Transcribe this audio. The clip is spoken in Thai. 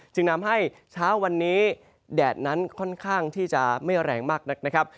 จึงนำให้เช้าวันนี้แดดนั้นค่อนข้างที่จะไม่แรงมากนักนะครับ